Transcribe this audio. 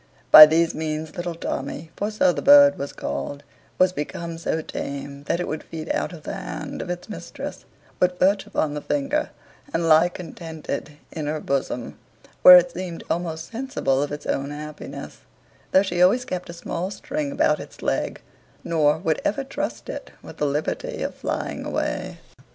By these means little Tommy, for so the bird was called, was become so tame, that it would feed out of the hand of its mistress, would perch upon the finger, and lie contented in her bosom, where it seemed almost sensible of its own happiness; though she always kept a small string about its leg, nor would ever trust it with the liberty of flying away.